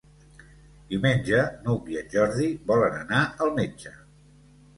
Diumenge n'Hug i en Jordi volen anar al metge.